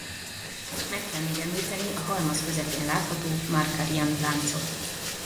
Meg kell még említeni a halmaz közepén látható Markarian-láncot.